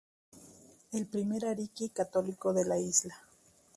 Es el primer ariki católico de la Isla.